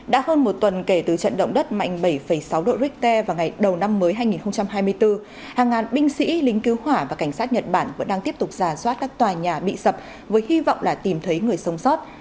đã hơn một tuần kể từ trận động đất mạnh bảy sáu độ richter vào ngày đầu năm mới hai nghìn hai mươi bốn hàng ngàn binh sĩ lính cứu hỏa và cảnh sát nhật bản vẫn đang tiếp tục giả soát các tòa nhà bị sập với hy vọng là tìm thấy người sống sót